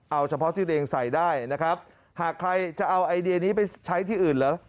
เอาเฉพาะที่ตัวเองใส่ได้นะครับหากใครจะเอาไอเดียนี้ไปใช้ที่อื่นเหรอ